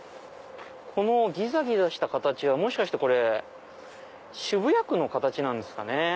このギザギザした形はもしかして渋谷区の形なんすかね。